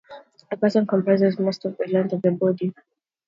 The pereon comprises most of the length of the body.